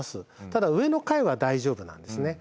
ただ上の階は大丈夫なんですね。